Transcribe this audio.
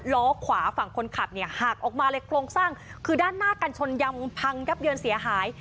ล้อขวาฝั่งคนขับเนี่ยหักออกมาเลยโครงสร้างคือด้านหน้ากันชนยำพังยับเยินเสียหาย